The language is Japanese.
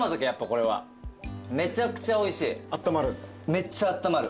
めっちゃあったまる。